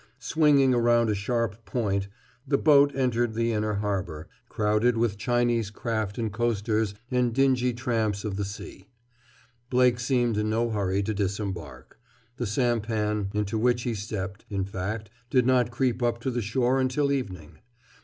Swinging around a sharp point, the boat entered the inner harbor, crowded with Chinese craft and coasters and dingy tramps of the sea. Blake seemed in no hurry to disembark. The sampan into which he stepped, in fact, did not creep up to the shore until evening.